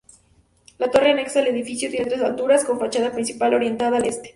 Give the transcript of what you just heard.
La torre, anexa al edificio, tiene tres alturas, con fachada principal orientada al Este.